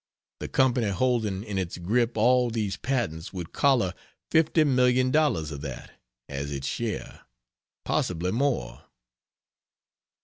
The Company holding in its grip all these patents would collar $50,000,000 of that, as its share. Possibly more.